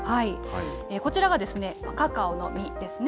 こちらがカカオの実ですね。